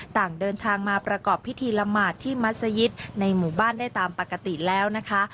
ต่างเดินทางมาประกอบพิธีละหมาดที่มัศยิตในหมู่บ้านได้ตามปกติแล้วนะคะ